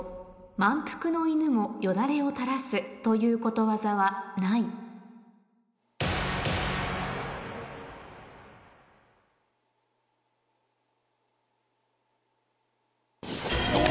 「満腹の犬もよだれをたらす」ということわざはないお！